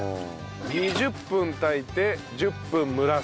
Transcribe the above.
２０分炊いて１０分蒸らす。